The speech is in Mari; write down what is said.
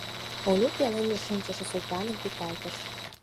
— Олю пеленже шинчыше Султаным тӱкалтыш.